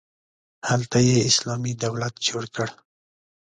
هلته یې اسلامي دولت جوړ کړ.